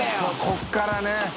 ここからね。